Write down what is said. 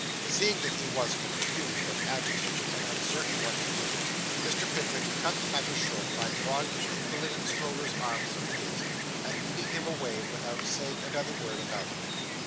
Seeing that he was confused and agitated, and uncertain what to do, Mr. Pickwick cut the matter short by drawing the invalided stroller's arm through his, and leading him away, without saying another word about it.